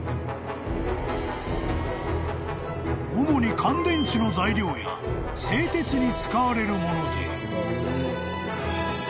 ［主に乾電池の材料や製鉄に使われるもので］